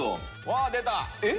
わ出た！え？